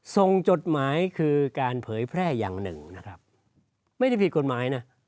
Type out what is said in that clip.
ส่งจดหมายคือการเผยแพร่อย่างหนึ่งไม่ได้ผิดกฎหมาย